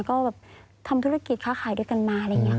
ก็ทำธุรกิจค่าขายด้วยกันมา